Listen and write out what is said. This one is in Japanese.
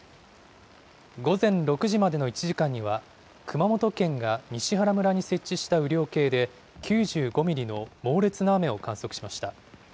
午前６時までの１時間には、熊本県が西原村に設置した雨量計で９５ミリの猛烈な雨を観測しました。